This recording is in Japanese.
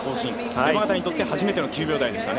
山縣にとって初めての９秒台でしたね。